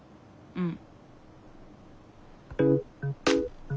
うん。